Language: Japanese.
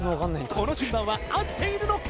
この順番は合っているのか？